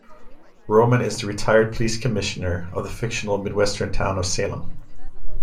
Roman is the retired police commissioner of the fictional midwestern town of Salem.